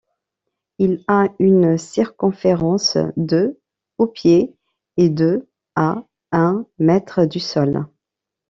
Il a une circonférence de au pied et de à un mètre du sol.